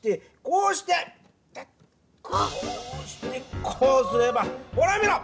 こうしてこうすればほら見ろ！